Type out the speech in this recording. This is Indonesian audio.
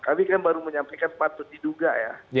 kami kan baru menyampaikan patut diduga ya